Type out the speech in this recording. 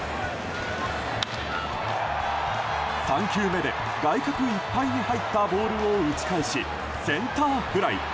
３球目で外角いっぱいに入ったボールを打ち返しセンターフライ。